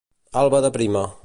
Alba de prima.